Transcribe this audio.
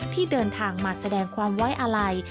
ที่เดินทางมาแสดงความไว้อาลัย